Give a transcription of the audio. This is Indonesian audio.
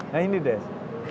nah ini des